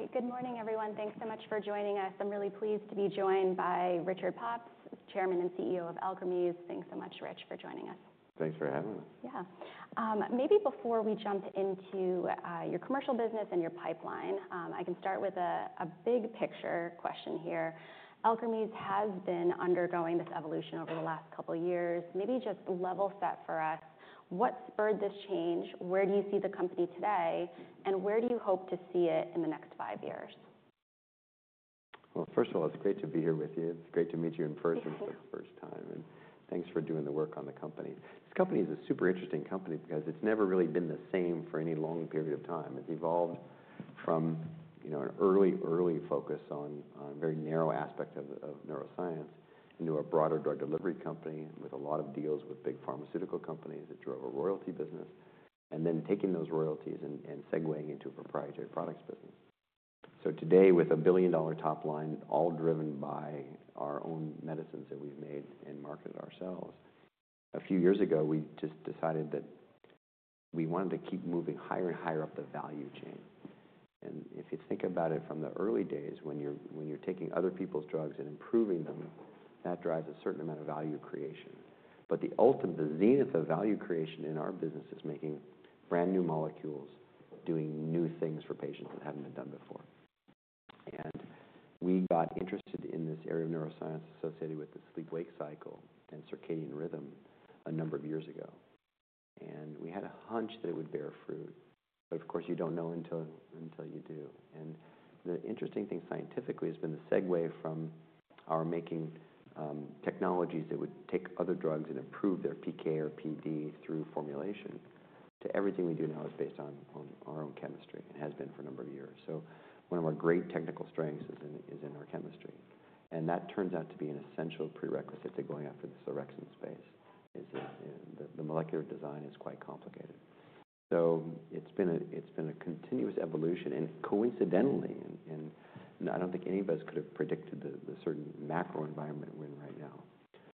Great. Good morning, everyone. Thanks so much for joining us. I'm really pleased to be joined by Richard Pops, Chairman and CEO of Alkermes. Thanks so much, Rich, for joining us. Thanks for having us. Yeah. Maybe before we jump into your commercial business and your pipeline, I can start with a big picture question here. Alkermes has been undergoing this evolution over the last couple of years. Maybe just level set for us: what spurred this change? Where do you see the company today? Where do you hope to see it in the next five years? First of all, it's great to be here with you. It's great to meet you in person for the first time. Thanks for doing the work on the company. This company is a super interesting company because it's never really been the same for any long period of time. It's evolved from an early, early focus on a very narrow aspect of neuroscience into a broader drug delivery company with a lot of deals with big pharmaceutical companies that drove a royalty business, and then taking those royalties and segueing into a proprietary products business. Today, with a billion-dollar top line, all driven by our own medicines that we've made and marketed ourselves, a few years ago, we just decided that we wanted to keep moving higher and higher up the value chain. If you think about it from the early days, when you're taking other people's drugs and improving them, that drives a certain amount of value creation. The ultimate, the zenith of value creation in our business is making brand new molecules, doing new things for patients that haven't been done before. We got interested in this area of neuroscience associated with the sleep-wake cycle and circadian rhythm a number of years ago. We had a hunch that it would bear fruit. Of course, you don't know until you do. The interesting thing scientifically has been the segue from our making technologies that would take other drugs and improve their PK or PD through formulation to everything we do now is based on our own chemistry and has been for a number of years. One of our great technical strengths is in our chemistry. That turns out to be an essential prerequisite to going after the orexin space, is the molecular design is quite complicated. It has been a continuous evolution. Coincidentally, and I do not think any of us could have predicted the certain macro environment we are in right now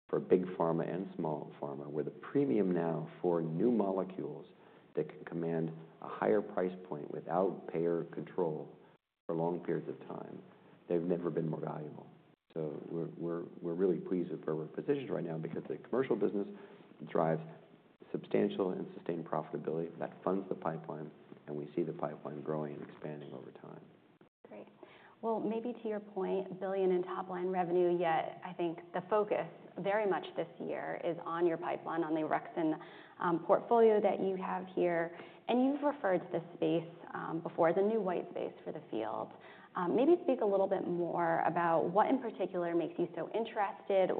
for big pharma and small pharma, where the premium now for new molecules that can command a higher price point without payer control for long periods of time, they have never been more valuable. We are really pleased with where we are positioned right now because the commercial business drives substantial and sustained profitability that funds the pipeline, and we see the pipeline growing and expanding over time. Great. Maybe to your point, $1 billion in top line revenue, yet I think the focus very much this year is on your pipeline, on the orexin portfolio that you have here. You have referred to this space before as a new white space for the field. Maybe speak a little bit more about what in particular makes you so interested?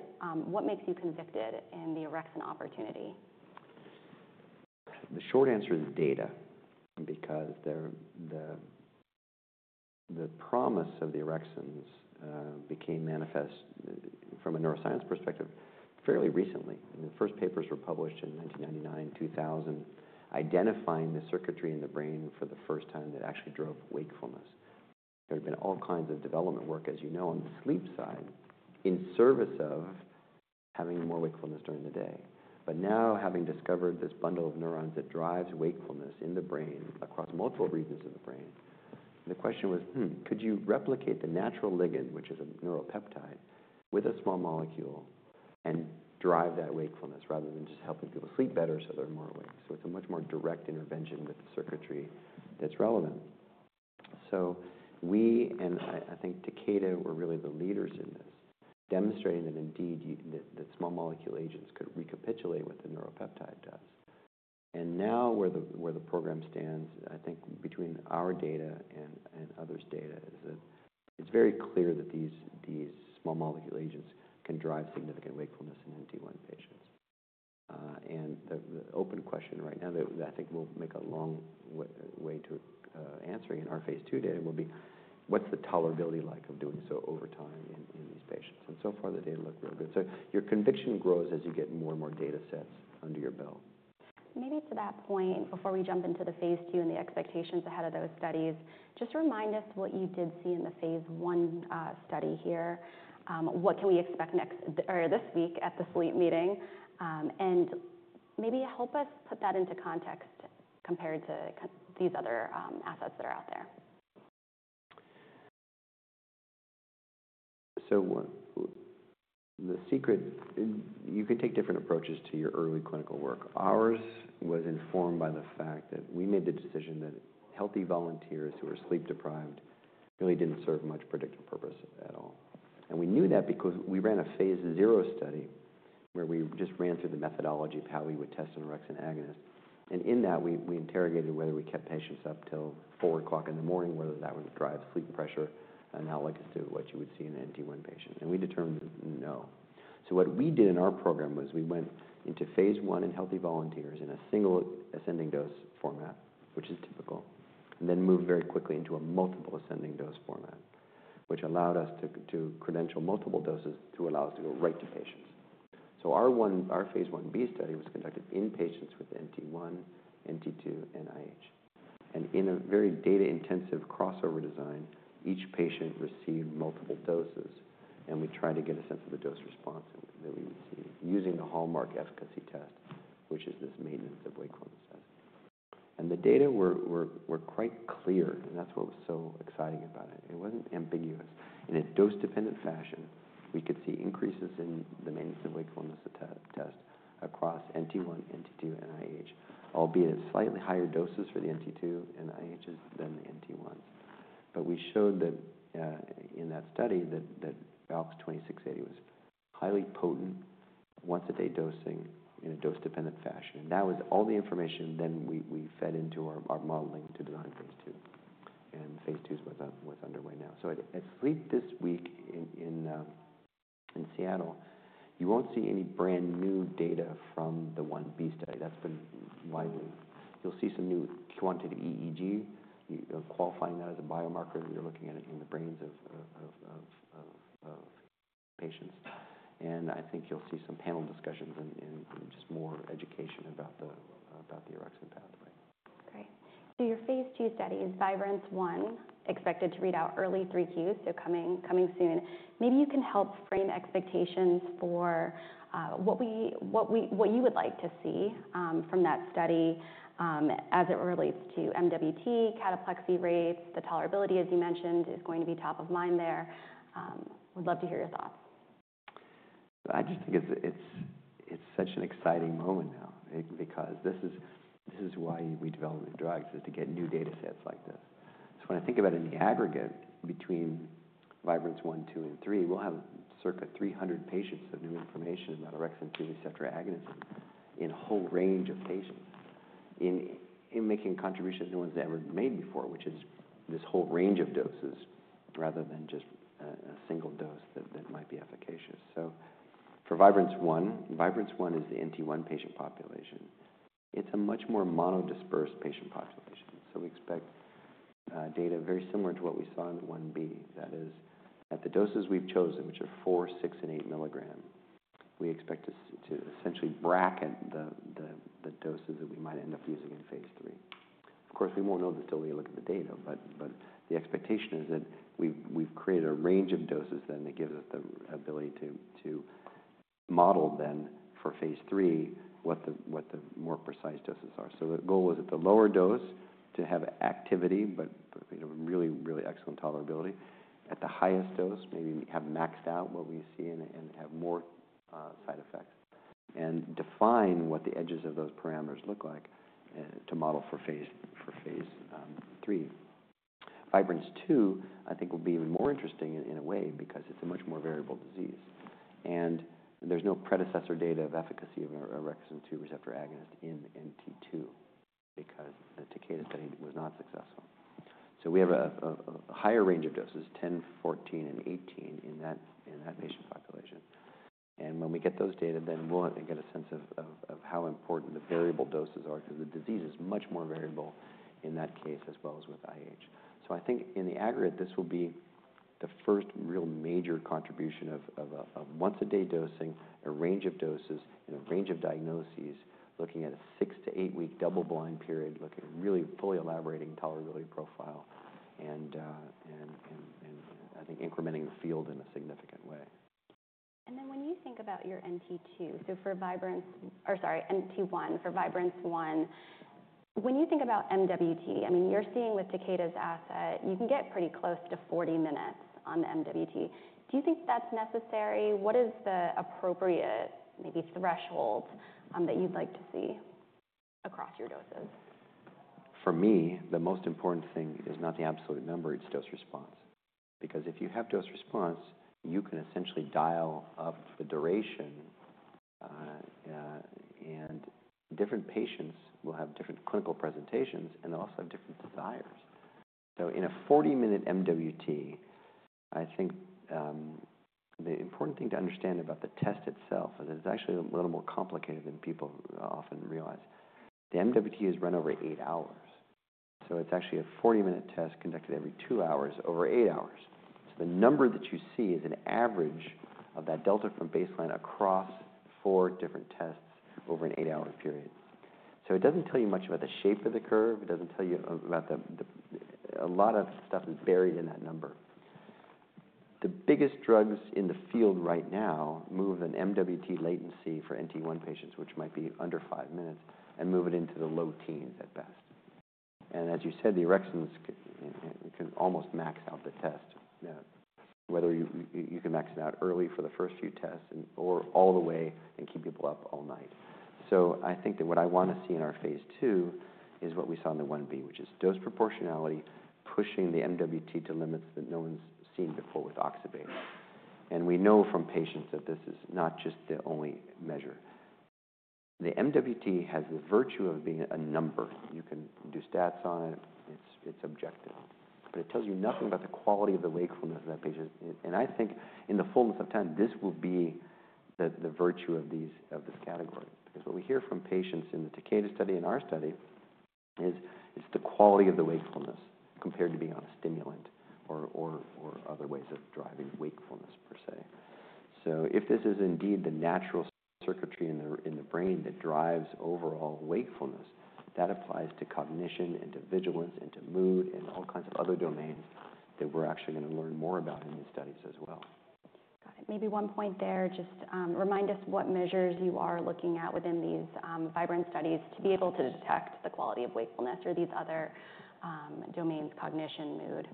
What makes you convicted in the orexin opportunity? The short answer is data because the promise of the orexins became manifest from a neuroscience perspective fairly recently. The first papers were published in 1999, 2000, identifying the circuitry in the brain for the first time that actually drove wakefulness. There have been all kinds of development work, as you know, on the sleep side in service of having more wakefulness during the day. Now, having discovered this bundle of neurons that drives wakefulness in the brain across multiple regions of the brain, the question was, could you replicate the natural ligand, which is a neuropeptide, with a small molecule and drive that wakefulness rather than just helping people sleep better so they're more awake? It is a much more direct intervention with the circuitry that's relevant. We, and I think Takeda were really the leaders in this, demonstrating that indeed the small molecule agents could recapitulate what the neuropeptide does. Now where the program stands, I think between our data and others' data is that it's very clear that these small molecule agents can drive significant wakefulness in NT1 patients. The open question right now that I think will make a long way to answering in our phase two data will be, what's the tolerability like of doing so over time in these patients? So far, the data look really good. Your conviction grows as you get more and more data sets under your belt. Maybe to that point, before we jump into the phase II and the expectations ahead of those studies, just remind us what you did see in the phase I study here. What can we expect next or this week at the sleep meeting? Maybe help us put that into context compared to these other assets that are out there. The secret, you can take different approaches to your early clinical work. Ours was informed by the fact that we made the decision that healthy volunteers who are sleep deprived really did not serve much predictive purpose at all. We knew that because we ran a phase zero study where we just ran through the methodology of how we would test an orexin agonist. In that, we interrogated whether we kept patients up till 4:00 in the morning, whether that would drive sleep pressure analogous to what you would see in an NT1 patient. We determined no. What we did in our program was we went into phase one in healthy volunteers in a single ascending dose format, which is typical, and then moved very quickly into a multiple ascending dose format, which allowed us to credential multiple doses to allow us to go right to patients. Our phase one B study was conducted in patients with NT1, NT2, and IH. In a very data-intensive crossover design, each patient received multiple doses. We tried to get a sense of the dose response that we would see using the hallmark efficacy test, which is this maintenance of wakefulness test. The data were quite clear. That was what was so exciting about it. It was not ambiguous. In a dose-dependent fashion, we could see increases in the Maintenance of Wakefulness Test across NT1, NT2, and IH, albeit at slightly higher doses for the NT2 and IHs than the NT1s. We showed that in that study that ALKS 2680 was highly potent once-a-day dosing in a dose-dependent fashion. That was all the information. We fed into our modeling to design phase two. Phase two is what's underway now. At Sleep this week in Seattle, you won't see any brand new data from the 1B study. That's been widely. You'll see some new quantitative EEG, qualifying that as a biomarker that you're looking at in the brains of patients. I think you'll see some panel discussions and just more education about the orexin pathway. Great. Your phase II study is Vibrance-1, expected to read out early three Qs, so coming soon. Maybe you can help frame expectations for what you would like to see from that study as it relates to MWT, cataplexy rates. The tolerability, as you mentioned, is going to be top of mind there. We'd love to hear your thoughts. I just think it's such an exciting moment now because this is why we develop new drugs, is to get new data sets like this. When I think about it in the aggregate between Vibrance-1, -2, and -3, we'll have circa 300 patients of new information about orexin through the receptor agonism in a whole range of patients, in making contributions no one's ever made before, which is this whole range of doses rather than just a single dose that might be efficacious. For Vibrance-1, Vibrance-1 is the NT1 patient population. It's a much more mono-dispersed patient population. We expect data very similar to what we saw in the 1b, that is, at the doses we've chosen, which are 4, 6, and 8 mg, we expect to essentially bracket the doses that we might end up using in phase III. Of course, we won't know this till we look at the data. But the expectation is that we've created a range of doses then that gives us the ability to model then for phase III what the more precise doses are. The goal is at the lower dose to have activity, but really, really excellent tolerability. At the highest dose, maybe have maxed out what we see and have more side effects. Define what the edges of those parameters look like to model for phase three. Vibrance-2, I think, will be even more interesting in a way because it's a much more variable disease. There's no predecessor data of efficacy of orexin 2 receptor agonist in NT2 because the Takeda study was not successful. We have a higher range of doses, 10, 14, and 18 in that patient population. When we get those data, then we'll get a sense of how important the variable doses are because the disease is much more variable in that case as well as with IH. I think in the aggregate, this will be the first real major contribution of once-a-day dosing, a range of doses, and a range of diagnoses, looking at a six-eight-week double-blind period, looking at really fully elaborating tolerability profile, and I think incrementing the field in a significant way. When you think about your NT2, so for Vibrance, or sorry, NT1 for Vibrance-1, when you think about MWT, I mean, you're seeing with Takeda's asset, you can get pretty close to 40 minutes on the MWT. Do you think that's necessary? What is the appropriate maybe threshold that you'd like to see across your doses? For me, the most important thing is not the absolute number, it's dose response. Because if you have dose response, you can essentially dial up the duration. Different patients will have different clinical presentations, and they'll also have different desires. In a 40-minute MWT, I think the important thing to understand about the test itself is it's actually a little more complicated than people often realize. The MWT is run over eight hours. It's actually a 40-minute test conducted every two hours over eight hours. The number that you see is an average of that delta from baseline across four different tests over an eight-hour period. It does not tell you much about the shape of the curve. It does not tell you about a lot of stuff that is buried in that number. The biggest drugs in the field right now move an MWT latency for NT1 patients, which might be under five minutes, and move it into the low teens at best. As you said, the orexins can almost max out the test, whether you can max it out early for the first few tests or all the way and keep people up all night. I think that what I want to see in our phase two is what we saw in the 1B, which is dose proportionality pushing the MWT to limits that no one's seen before with oxybates. We know from patients that this is not just the only measure. The MWT has the virtue of being a number. You can do stats on it. It's objective. It tells you nothing about the quality of the wakefulness of that patient. I think in the fullness of time, this will be the virtue of this category. Because what we hear from patients in the Takeda study and our study is the quality of the wakefulness compared to being on a stimulant or other ways of driving wakefulness per se. If this is indeed the natural circuitry in the brain that drives overall wakefulness, that applies to cognition and to vigilance and to mood and all kinds of other domains that we're actually going to learn more about in these studies as well. Got it. Maybe one point there, just remind us what measures you are looking at within these Vibrance studies to be able to detect the quality of wakefulness or these other domains, cognition, mood.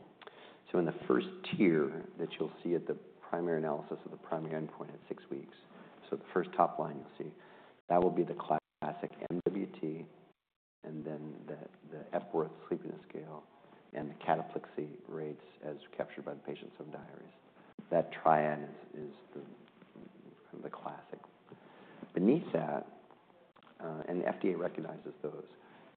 In the first tier that you'll see at the primary analysis of the primary endpoint at six weeks, the first top line you'll see will be the classic MWT and then the Epworth Sleepiness Scale and the cataplexy rates as captured by the patients' diaries. That triad is the classic. Beneath that, and the FDA recognizes those.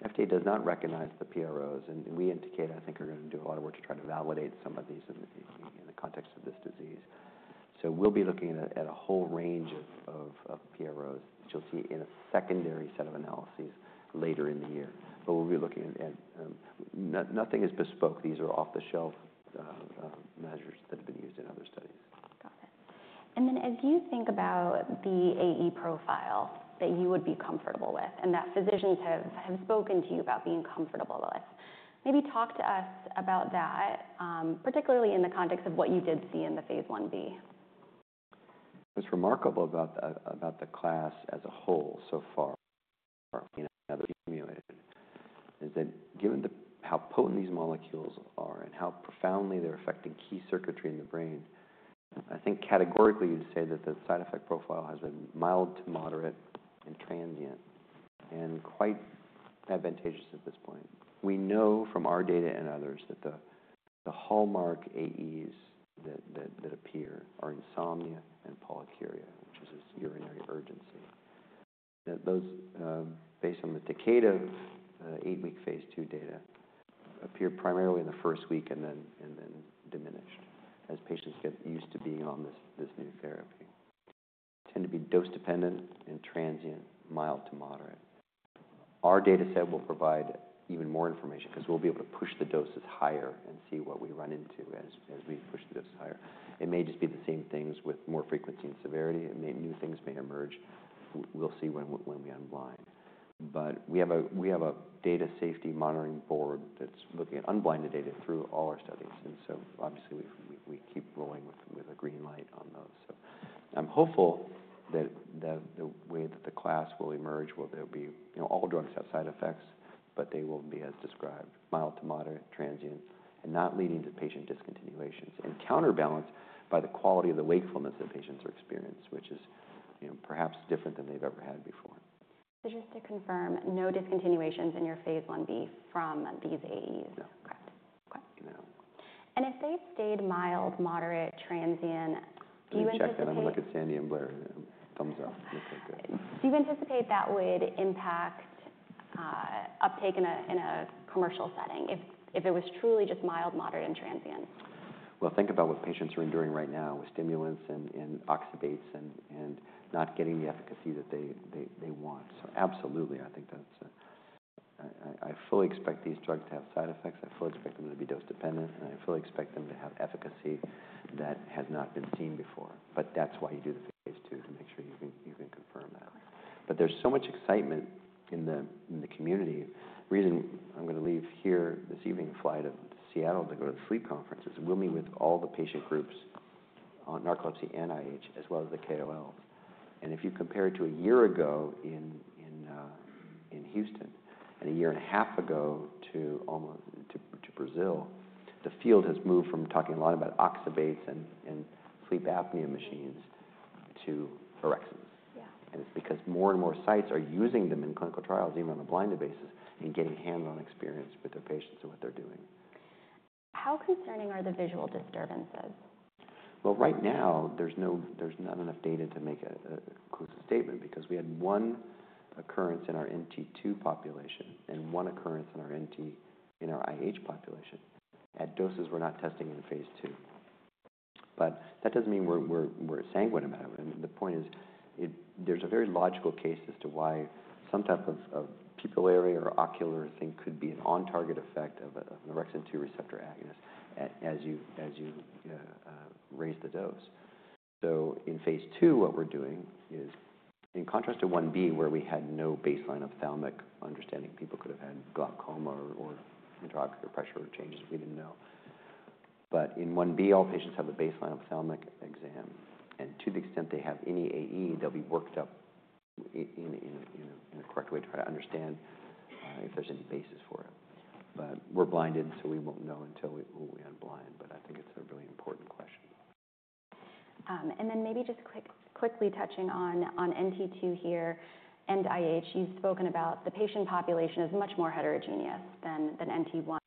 The FDA does not recognize the PROs. We and Takeda, I think, are going to do a lot of work to try to validate some of these in the context of this disease. We'll be looking at a whole range of PROs that you'll see in a secondary set of analyses later in the year. We'll be looking at nothing bespoke. These are off-the-shelf measures that have been used in other studies. Got it. As you think about the AE profile that you would be comfortable with and that physicians have spoken to you about being comfortable with, maybe talk to us about that, particularly in the context of what you did see in the phase I B. What's remarkable about the class as a whole so far and other stimulant is that given how potent these molecules are and how profoundly they're affecting key circuitry in the brain, I think categorically you'd say that the side effect profile has been mild to moderate and transient and quite advantageous at this point. We know from our data and others that the hallmark AEs that appear are insomnia and polyuria, which is urinary urgency. Those, based on the Takeda eight-week phase II data, appear primarily in the first week and then diminished as patients get used to being on this new therapy. Tend to be dose-dependent and transient, mild to moderate. Our data set will provide even more information because we'll be able to push the doses higher and see what we run into as we push the doses higher. It may just be the same things with more frequency and severity. New things may emerge. We will see when we unblind. We have a data safety monitoring board that is looking at unblinding data through all our studies. Obviously, we keep rolling with a green light on those. I am hopeful that the way that the class will emerge will be all drugs have side effects, but they will be as described: mild to moderate, transient, and not leading to patient discontinuations and counterbalanced by the quality of the wakefulness that patients are experiencing, which is perhaps different than they have ever had before. Just to confirm, no discontinuations in your phase I B from these AEs. No. Correct. Okay. If they stayed mild, moderate, transient, do you anticipate? If you asked that, I'm going to look at Sandy and Blair. Thumbs up. Do you anticipate that would impact uptake in a commercial setting if it was truly just mild, moderate, and transient? Think about what patients are enduring right now with stimulants and oxybates and not getting the efficacy that they want. I fully expect these drugs to have side effects. I fully expect them to be dose-dependent. I fully expect them to have efficacy that has not been seen before. That is why you do the phase II to make sure you can confirm that. There is so much excitement in the community. The reason I'm going to leave here this evening, flight out of Seattle to go to the sleep conference, is we'll meet with all the patient groups on narcolepsy and IH as well as the KOLs. If you compare it to a year ago in Houston and a year and a half ago to Brazil, the field has moved from talking a lot about oxybates and sleep apnea machines to orexins. It is because more and more sites are using them in clinical trials even on a blinded basis and getting hands-on experience with their patients and what they are doing. How concerning are the visual disturbances? Right now, there's not enough data to make a conclusive statement because we had one occurrence in our NT2 population and one occurrence in our IH population at doses we're not testing in phase II. That doesn't mean we're sanguine about it. The point is there's a very logical case as to why some type of pupillary or ocular thing could be an on-target effect of an orexin two receptor agonist as you raise the dose. In phase II, what we're doing is in contrast to one B, where we had no baseline ophthalmic understanding, people could have had glaucoma or intraocular pressure changes. We didn't know. In one B, all patients have a baseline ophthalmic exam. To the extent they have any AE, they'll be worked up in a correct way to try to understand if there's any basis for it. We're blinded, so we won't know until we unblind. I think it's a really important question. Maybe just quickly touching on NT2 here and IH, you've spoken about the patient population is much more heterogeneous than NT1.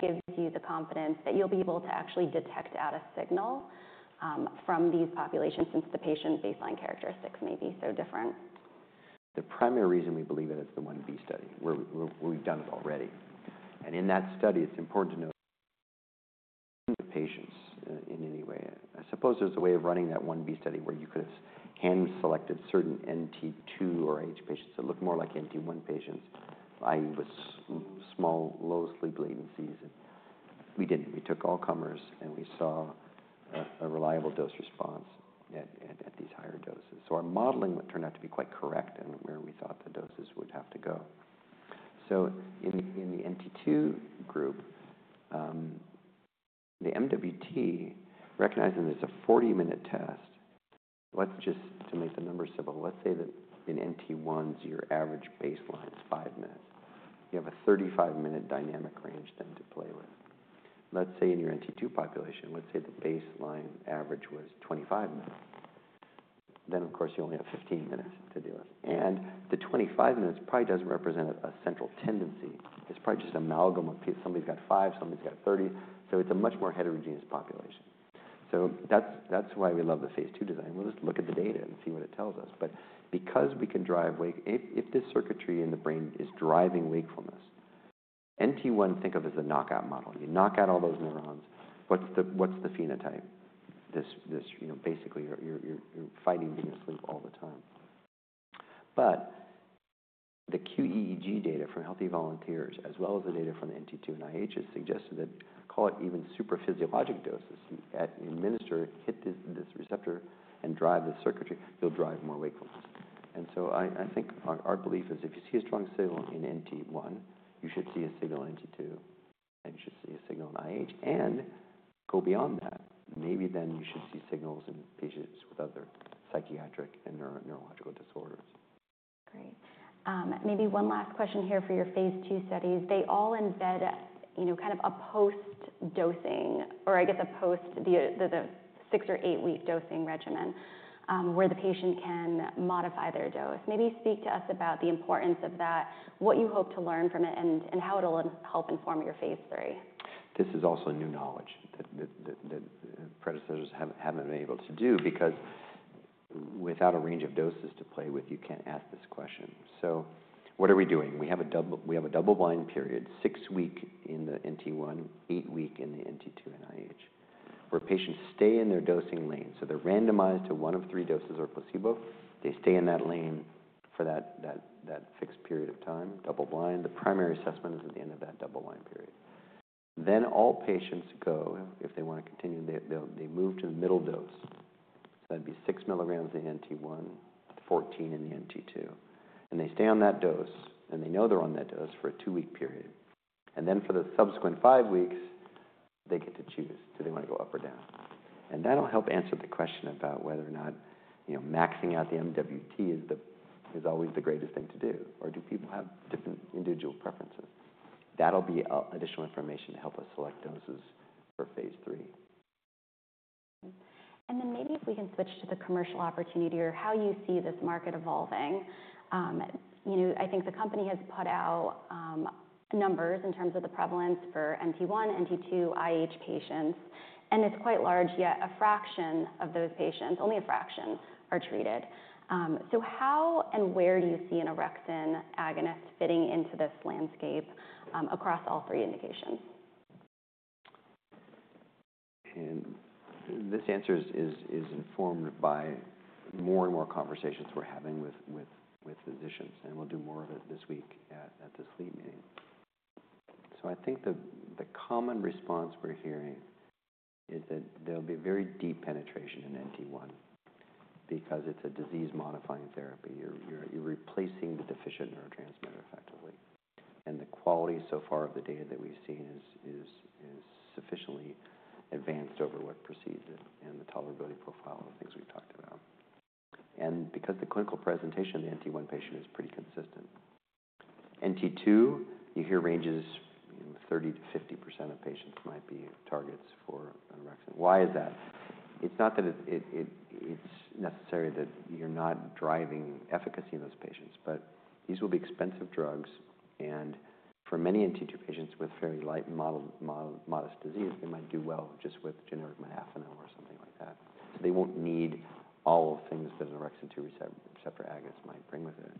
Gives you the confidence that you'll be able to actually detect out a signal from these populations since the patient baseline characteristics may be so different? The primary reason we believe in it is the one B study where we've done it already. In that study, it's important to know the patients in any way. I suppose there's a way of running that one B study where you could have hand-selected certain NT2 or IH patients that look more like NT1 patients, i.e., with small low sleep latencies. We didn't. We took all comers, and we saw a reliable dose response at these higher doses. Our modeling turned out to be quite correct in where we thought the doses would have to go. In the NT2 group, the MWT, recognizing there's a 40-minute test, just to make the numbers simple, let's say that in NT1s, your average baseline is five minutes. You have a 35-minute dynamic range then to play with. Let's say in your NT2 population, let's say the baseline average was 25 minutes. Of course, you only have 15 minutes to deal with. The 25 minutes probably doesn't represent a central tendency. It's probably just an amalgam of somebody's got five, somebody's got 30. It's a much more heterogeneous population. That's why we love the phase II design. We'll just look at the data and see what it tells us. Because we can drive, if this circuitry in the brain is driving wakefulness, NT1, think of as the knockout model. You knock out all those neurons. What's the phenotype? Basically, you're fighting in your sleep all the time. The qEEG data from healthy volunteers, as well as the data from the NT2 and IH, has suggested that, call it even super physiologic doses, administer this receptor and drive the circuitry. You'll drive more wakefulness. I think our belief is if you see a strong signal in NT1, you should see a signal in NT2. You should see a signal in IH. Go beyond that. Maybe then you should see signals in patients with other psychiatric and neurological disorders. Great. Maybe one last question here for your phase two studies. They all embed kind of a post-dosing or, I guess, a post the six or eight-week dosing regimen where the patient can modify their dose. Maybe speak to us about the importance of that, what you hope to learn from it, and how it'll help inform your phase III. This is also new knowledge that predecessors have not been able to do because without a range of doses to play with, you cannot ask this question. What are we doing? We have a double-blind period, six-week in the NT1, eight-week in the NT2 and IH, where patients stay in their dosing lane. They are randomized to one of three doses or placebo. They stay in that lane for that fixed period of time, double-blind. The primary assessment is at the end of that double-blind period. All patients go, if they want to continue, they move to the middle dose. That would be 6 milligrams in NT1, 14 in the NT2. They stay on that dose, and they know they are on that dose for a two-week period. For the subsequent five weeks, they get to choose. Do they want to go up or down? That'll help answer the question about whether or not maxing out the MWT is always the greatest thing to do. Or do people have different individual preferences? That'll be additional information to help us select doses for phase three. Maybe if we can switch to the commercial opportunity or how you see this market evolving. I think the company has put out numbers in terms of the prevalence for NT1, NT2, IH patients. It is quite large, yet a fraction of those patients, only a fraction, are treated. How and where do you see an orexin agonist fitting into this landscape across all three indications? This answer is informed by more and more conversations we're having with physicians. We'll do more of it this week at the sleep meeting. I think the common response we're hearing is that there will be a very deep penetration in NT1 because it's a disease-modifying therapy. You're replacing the deficient neurotransmitter effectively. The quality so far of the data that we've seen is sufficiently advanced over what precedes it and the tolerability profile of things we've talked about. Because the clinical presentation of the NT1 patient is pretty consistent. NT2, you hear ranges 30%-50% of patients might be targets for orexin. Why is that? It's not that it's necessary that you're not driving efficacy in those patients. These will be expensive drugs. For many NT2 patients with fairly light, modest disease, they might do well just with generic modafinil or something like that. They will not need all of the things that an orexin 2 receptor agonist might bring with it.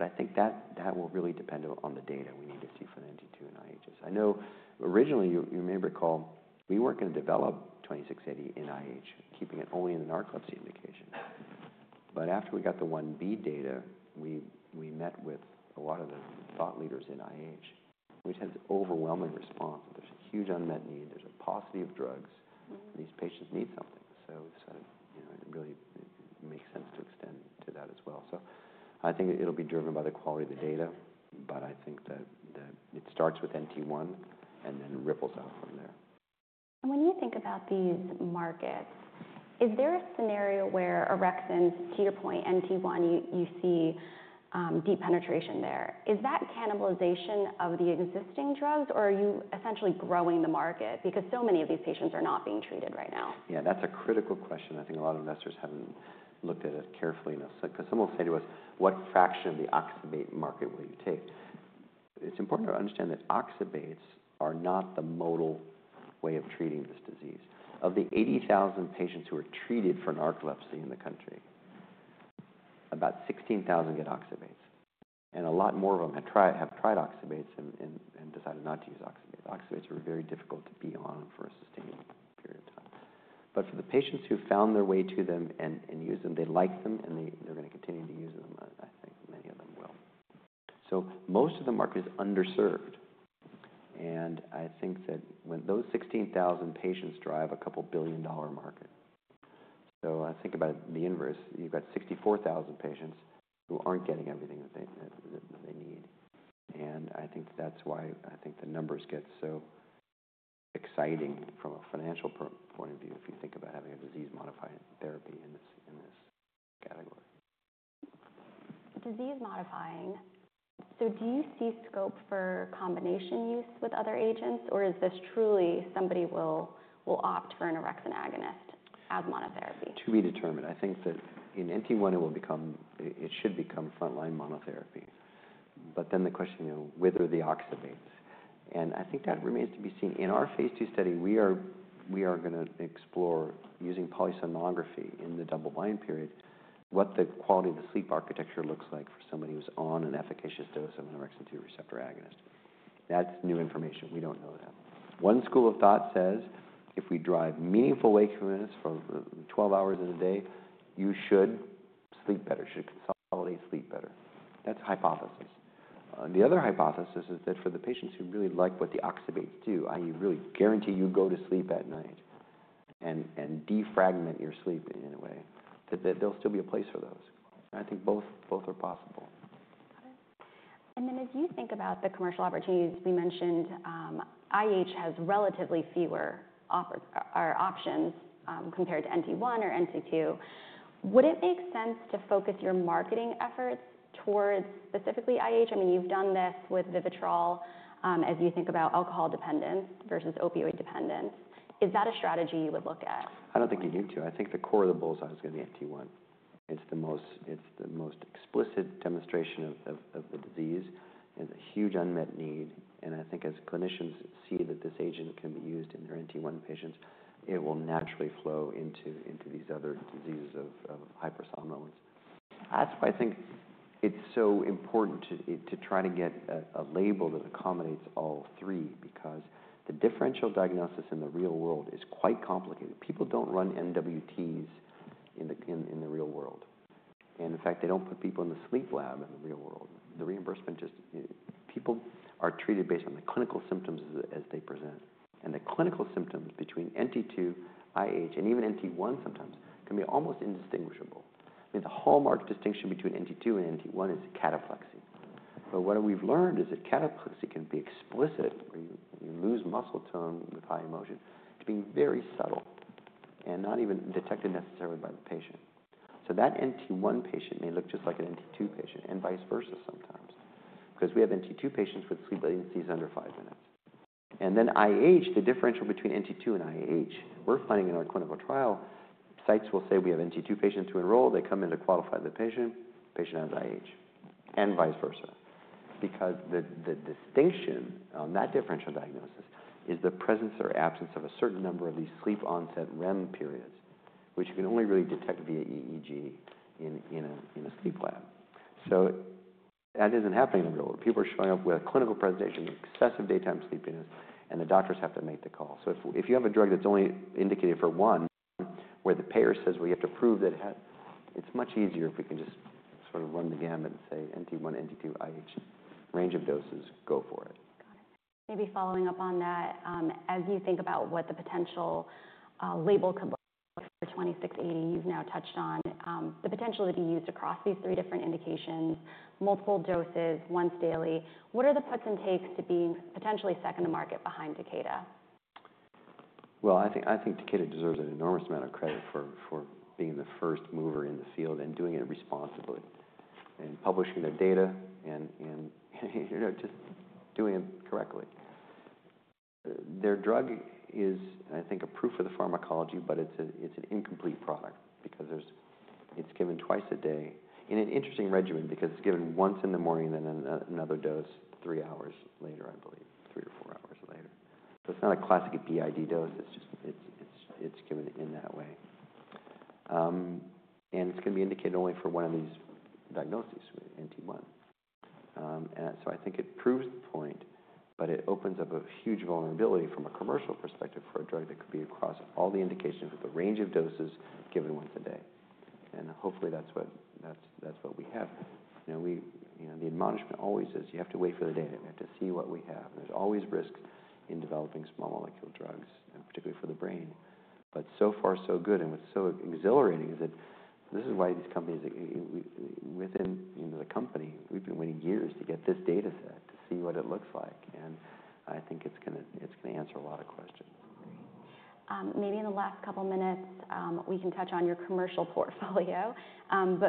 I think that will really depend on the data we need to see for the NT2 and IHs. I know originally, you may recall, we were not going to develop 2680 in IH, keeping it only in the narcolepsy indication. After we got the 1B data, we met with a lot of the thought leaders in IH, which has overwhelming response. There is a huge unmet need. There is a paucity of drugs. These patients need something. It really makes sense to extend to that as well. I think it will be driven by the quality of the data. I think that it starts with NT1 and then ripples out from there. When you think about these markets, is there a scenario where orexin, to your point, NT1, you see deep penetration there? Is that cannibalization of the existing drugs, or are you essentially growing the market because so many of these patients are not being treated right now? Yeah, that's a critical question. I think a lot of investors haven't looked at it carefully enough. Because someone will say to us, "What fraction of the oxybate market will you take?" It's important to understand that oxybates are not the modal way of treating this disease. Of the 80,000 patients who are treated for narcolepsy in the country, about 16,000 get oxybates. And a lot more of them have tried oxybates and decided not to use oxybates. Oxybates are very difficult to be on for a sustained period of time. But for the patients who found their way to them and used them, they liked them, and they're going to continue to use them, I think many of them will. Most of the market is underserved. I think that when those 16,000 patients drive a couple billion dollar market. I think about the inverse. You've got 64,000 patients who aren't getting everything that they need. I think that's why I think the numbers get so exciting from a financial point of view if you think about having a disease-modifying therapy in this category. Disease-modifying. Do you see scope for combination use with other agents, or is this truly somebody will opt for an orexin agonist as monotherapy? To be determined. I think that in NT1, it should become frontline monotherapy. The question is whether the oxybates. I think that remains to be seen. In our phase two study, we are going to explore using polysomnography in the double-blind period, what the quality of the sleep architecture looks like for somebody who is on an efficacious dose of an orexin two receptor agonist. That is new information. We do not know that. One school of thought says if we drive meaningful wakefulness for 12 hours in a day, you should sleep better, should consolidate sleep better. That is a hypothesis. The other hypothesis is that for the patients who really like what the oxybates do, i.e., really guarantee you go to sleep at night and defragment your sleep in a way, that there will still be a place for those. I think both are possible. Got it. As you think about the commercial opportunities, we mentioned IH has relatively fewer options compared to NT1 or NT2. Would it make sense to focus your marketing efforts towards specifically IH? I mean, you've done this with VIVITROL as you think about alcohol dependence versus opioid dependence. Is that a strategy you would look at? I don't think you need to. I think the core of the bullseye is going to be NT1. It's the most explicit demonstration of the disease. It's a huge unmet need. I think as clinicians see that this agent can be used in their NT1 patients, it will naturally flow into these other diseases of hypersomnolence. That's why I think it's so important to try to get a label that accommodates all three because the differential diagnosis in the real world is quite complicated. People don't run MWTs in the real world. In fact, they don't put people in the sleep lab in the real world. The reimbursement just people are treated based on the clinical symptoms as they present. The clinical symptoms between NT2, IH, and even NT1 sometimes can be almost indistinguishable. I mean, the hallmark distinction between NT2 and NT1 is cataplexy. What we've learned is that cataplexy can be explicit where you lose muscle tone with high emotion to being very subtle and not even detected necessarily by the patient. That NT1 patient may look just like an NT2 patient and vice versa sometimes because we have NT2 patients with sleep latencies under five minutes. Then IH, the differential between NT2 and IH, we're finding in our clinical trial, sites will say we have NT2 patients who enroll. They come in to qualify the patient. The patient has IH and vice versa. Because the distinction on that differential diagnosis is the presence or absence of a certain number of these sleep onset REM periods, which you can only really detect via EEG in a sleep lab. That isn't happening in the real world. People are showing up with a clinical presentation, excessive daytime sleepiness, and the doctors have to make the call. If you have a drug that's only indicated for one, where the payer says, "Well, you have to prove that it had," it's much easier if we can just sort of run the gamut and say NT1, NT2, IH, range of doses, go for it. Got it. Maybe following up on that, as you think about what the potential label could look like for 2680, you've now touched on the potential to be used across these three different indications, multiple doses, once daily. What are the puts and takes to being potentially second to market behind Takeda? I think Takeda deserves an enormous amount of credit for being the first mover in the field and doing it responsibly and publishing their data and just doing it correctly. Their drug is, I think, a proof of the pharmacology, but it's an incomplete product because it's given twice a day in an interesting regimen because it's given once in the morning and then another dose three hours later, I believe, three or four hours later. It is not a classic BID dose. It's given in that way. It is going to be indicated only for one of these diagnoses, NT1. I think it proves the point, but it opens up a huge vulnerability from a commercial perspective for a drug that could be across all the indications with a range of doses given once a day. Hopefully, that's what we have. The admonishment always is you have to wait for the data. You have to see what we have. There are always risks in developing small molecule drugs, particularly for the brain. So far, so good. What is so exhilarating is that this is why these companies within the company, we have been waiting years to get this data set to see what it looks like. I think it is going to answer a lot of questions. Great. Maybe in the last couple of minutes, we can touch on your commercial portfolio.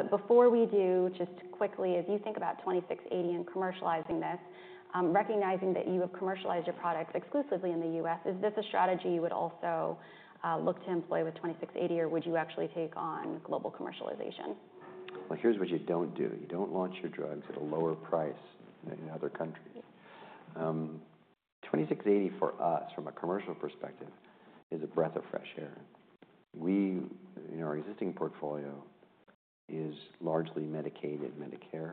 Before we do, just quickly, as you think about 2680 and commercializing this, recognizing that you have commercialized your products exclusively in the U.S., is this a strategy you would also look to employ with 2680, or would you actually take on global commercialization? Here's what you don't do. You don't launch your drugs at a lower price in other countries. 2680 for us, from a commercial perspective, is a breath of fresh air. In our existing portfolio, it is largely Medicaid and Medicare,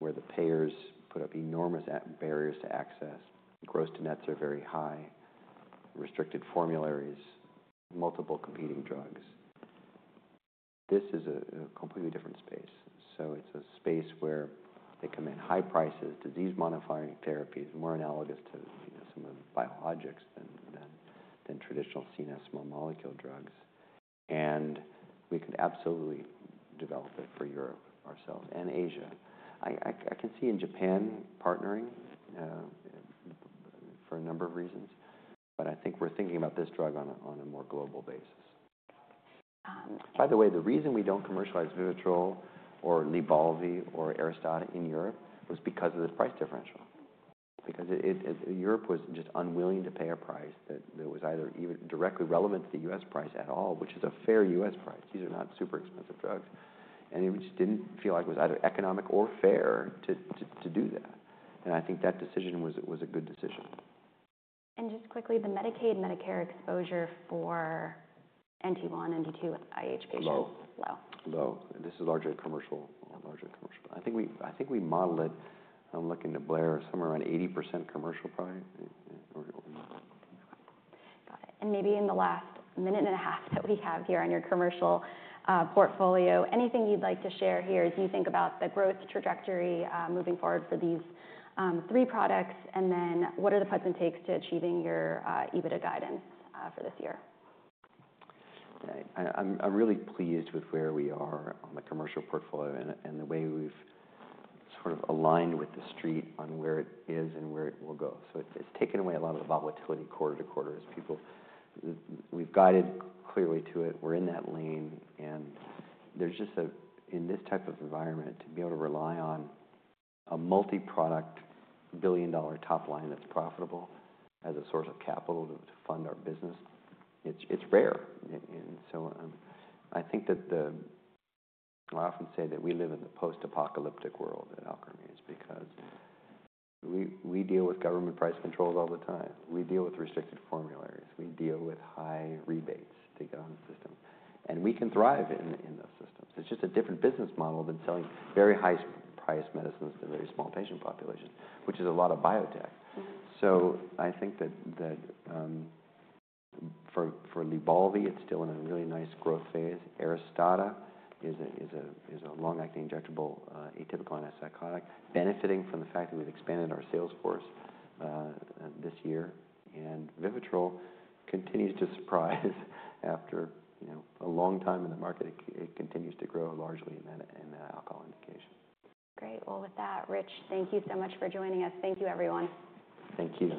where the payers put up enormous barriers to access. Gross donets are very high, restricted formularies, multiple competing drugs. This is a completely different space. It is a space where they come in high prices, disease-modifying therapies, more analogous to some of the biologics than traditional CNS small molecule drugs. We could absolutely develop it for Europe ourselves and Asia. I can see in Japan partnering for a number of reasons. I think we're thinking about this drug on a more global basis. Got it. By the way, the reason we do not commercialize VIVITROL or LYBALVI or ARISTADA in Europe was because of this price differential. Because Europe was just unwilling to pay a price that was either directly relevant to the U.S. price at all, which is a fair U.S. price. These are not super expensive drugs. It just did not feel like it was either economic or fair to do that. I think that decision was a good decision. Just quickly, the Medicaid and Medicare exposure for NT1, NT2 with IH patients? Low. Low. Low. This is largely commercial. I think we model it, I'm looking to Blair, somewhere around 80% commercial probably. Got it. Maybe in the last minute and a 1/2 that we have here on your commercial portfolio, anything you'd like to share here as you think about the growth trajectory moving forward for these three products? What are the puts and takes to achieving your EBITDA guidance for this year? I'm really pleased with where we are on the commercial portfolio and the way we've sort of aligned with the street on where it is and where it will go. It's taken away a lot of the volatility quarter to quarter as people we've guided clearly to it. We're in that lane. In this type of environment, to be able to rely on a multi-product billion dollar top line that's profitable as a source of capital to fund our business, it's rare. I think that I often say that we live in the post-apocalyptic world at Alkermes because we deal with government price controls all the time. We deal with restricted formularies. We deal with high rebates to get on the system. We can thrive in those systems. It's just a different business model than selling very high-priced medicines to very small patient populations, which is a lot of biotech. I think that for LYBALVI, it's still in a really nice growth phase. ARISTADA is a long-acting injectable atypical antipsychotic, benefiting from the fact that we've expanded our sales force this year. VIVITROL continues to surprise after a long time in the market. It continues to grow largely in the alcohol indication. Great. With that, Rich, thank you so much for joining us. Thank you, everyone. Thank you.